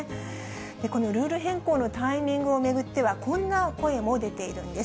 このルール変更のタイミングを巡っては、こんな声も出ているんです。